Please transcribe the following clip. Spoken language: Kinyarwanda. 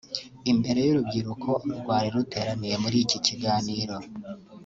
Imbere y’ urubyiruko rwari ruteraniye muri iki kiganiro